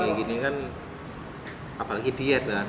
kayak gini kan apalagi diet kan